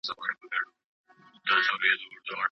که سپایان مخامخ شي نو جګړه مه کوئ.